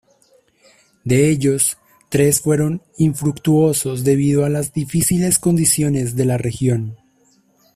De ellos, tres fueron infructuosos debido a las difíciles condiciones de la región.